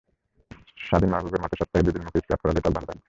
শাদীন মাহবুবের মতে, সপ্তাহে দুই দিন মুখে স্ক্রাব করালেই ত্বক ভালো থাকবে।